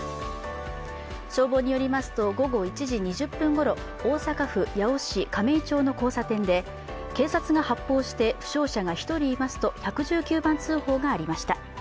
消防によりますと、午後１時２０分ごろ、大阪府八尾市亀井町の交差点で警察が発砲して負傷者が１人いますと１１９番通報がありました。